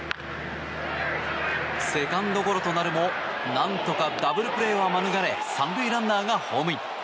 セカンドゴロとなるもなんとかダブルプレーは免れ３塁ランナーがホームイン。